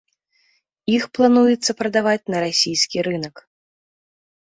Іх плануецца прадаваць на расійскі рынак.